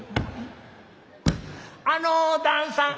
「あの旦さん」。